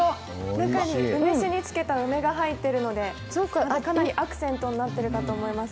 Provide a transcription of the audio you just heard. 中に梅酒に漬けた梅が入っているので、かなりアクセントになっているかと思います。